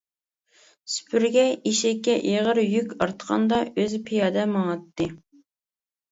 سۈپۈرگە ئېشەككە ئېغىر يۈك ئارتقاندا ئۆزى پىيادە ماڭاتتى.